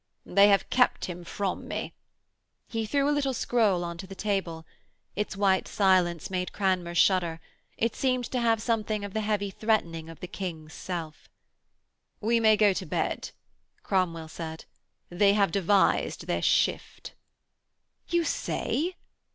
'They have kept him from me.' He threw a little scroll on to the table. Its white silence made Cranmer shudder; it seemed to have something of the heavy threatening of the King's self. 'We may go to bed,' Cromwell said. 'They have devised their shift.' 'You say?'